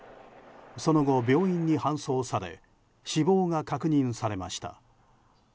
その後、病院に搬送され死亡が確認されました。